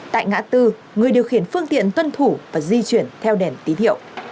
tại ngã tư người điều khiển phương tiện tuân thủ và di chuyển theo đèn tí thiệu